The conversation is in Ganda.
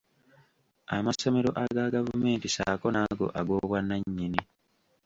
Amasomero aga gavumenti ssaako n’ago ag’obwannannyini.